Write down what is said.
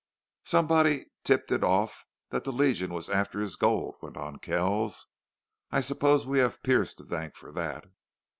"Somebody tipped it off that the Legion was after his gold," went on Kells. "I suppose we have Pearce to thank for that.